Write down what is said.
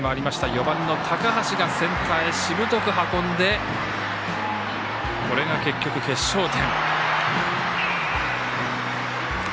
４番の高橋がセンターへ、しぶとく運んでこれが結局、決勝点。